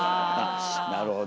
なるほど。